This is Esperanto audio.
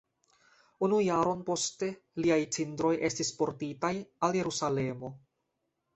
Unu jaron poste liaj cindroj estis portitaj al Jerusalemo.